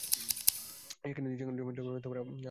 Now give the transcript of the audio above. সেখানে জমি ইজারা দেওয়ার আবেদন নেওয়া হচ্ছে।